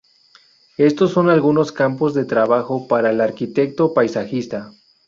Estos son algunos campos de trabajo para el arquitecto paisajista;